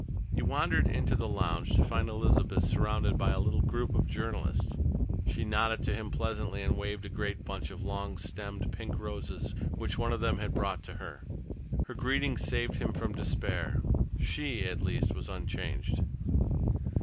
He wandered into the lounge to find Elizabeth surrounded by a little group of journalists. She nodded to him pleasantly and waved a great bunch of long stemmed pink roses which one of them had brought to her. Her greeting saved him from despair. She, at least, was unchanged.